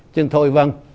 nhưng thôi vâng